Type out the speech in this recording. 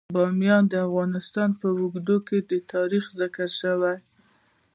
بامیان د افغانستان په اوږده تاریخ کې ذکر شوی دی.